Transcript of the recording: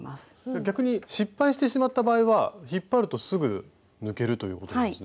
逆に失敗してしまった場合は引っ張るとすぐ抜けるということですね。